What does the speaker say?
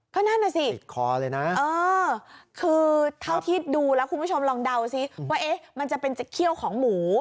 ก็นั่นสิเออคือเท่าที่ดูแล้วคุณผู้ชมลองเดาซิว่าเอ๊ะมันจะเป็นเจ็ดเขี้ยวของหมู